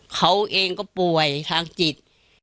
เขาเองก็ป่วยทางจิต